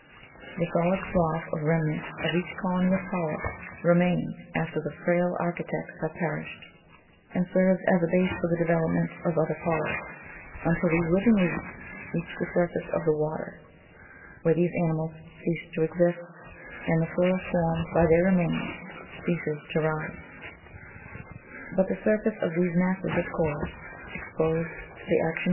The solid slough or remnant of each colony of polyps remains after the frail architects have perished, and serves as a base for the development of other polyps, until these living reefs reach the surface of the water, where these animals cease to exist, and the soil formed by their remains ceases to rise; but the surface of these masses of corals, exposed to the action